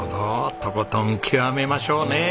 とことん極めましょうね。